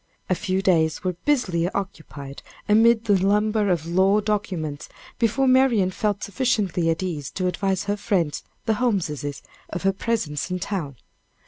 A few days were busily occupied amid the lumber of law documents, before Marian felt sufficiently at ease to advise her friends, the Holmeses, of her presence in town.